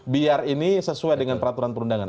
biar ini sesuai dengan peraturan perundangan